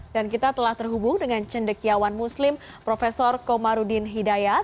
dan kita telah terhubung dengan cendekiawan muslim prof komarudin hidayat